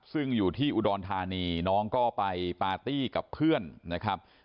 ซึ่งอยู่ที่อุดรธานีน้องก็ไปปาร์ตี้กับเพื่อนนะครับ